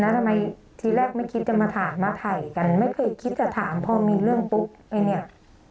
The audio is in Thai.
แล้วทำไมทีแรกไม่คิดจะมาถามมาถ่ายกันไม่เคยคิดจะถามพอมีเรื่องปุ๊บไอ้เนี่ย